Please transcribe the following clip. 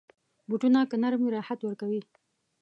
بوټونه که نرم وي، راحت ورکوي.